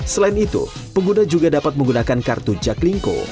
selain itu pengguna juga dapat menggunakan kartu jaklingko